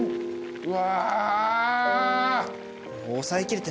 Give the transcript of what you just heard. うわ。